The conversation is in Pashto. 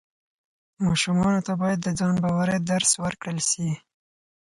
ماشومانو ته باید د ځان باورۍ درس ورکړل سي.